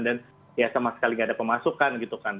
dan ya sama sekali nggak ada pemasukan gitu kan